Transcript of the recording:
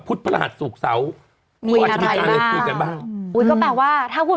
พุธพระหัสสุขเสามีอะไรบ้างคุยกันบ้างอุ้ยก็แปลว่าถ้าคุณ